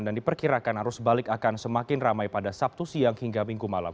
dan diperkirakan arus balik akan semakin ramai pada sabtu siang hingga minggu malam